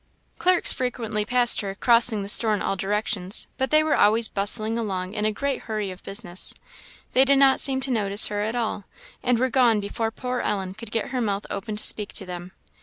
Clerks frequently passed her, crossing the store in all directions, but they were always bustling along in a great hurry of business; they did not seem to notice her at all, and were gone before poor Ellen could get her mouth open to speak to them.